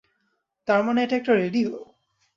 তারমানে, এটা একটা রেডিও?